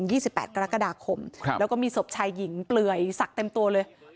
สิบแปดกรกฎาคมครับแล้วก็มีศพชายหญิงเปลือยศักดิ์เต็มตัวเลย